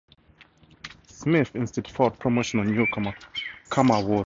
Smith instead fought promotional newcomer Khama Worthy.